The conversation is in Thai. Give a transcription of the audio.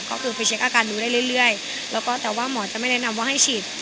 ก็คือไปเช็คอาการดูได้เรื่อยแล้วก็แต่ว่าหมอจะไม่แนะนำว่าให้ฉีด